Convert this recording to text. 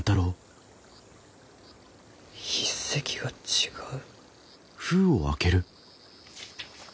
筆跡が違う？